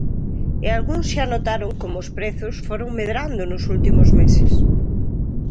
E algúns xa notaron como os prezos foron medrando nos últimos meses...